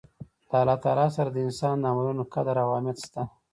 د الله تعالی سره د انسان د عملونو قدر او اهميت شته